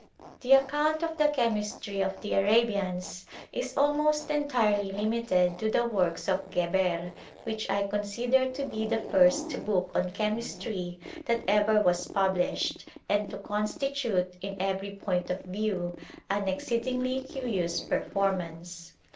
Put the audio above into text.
The account of the Chemistry of the Arabians is almost entirely limited to the works of Geber, which I consider to be the first book on Chemistry that ever was published, and to constitute, in every point of view, an exceedingly curious performance.